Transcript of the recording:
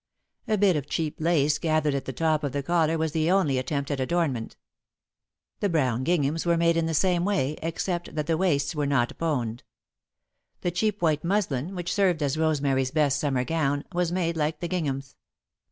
A bit of cheap lace gathered at the top of the collar was the only attempt at adornment. The brown ginghams were made in the same way, except that the waists were not boned. The cheap white muslin, which served as Rosemary's best Summer gown, was made like the ginghams.